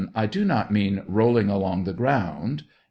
I do not merfn rolling along the ground